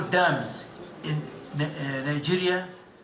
dam kecil di nigeria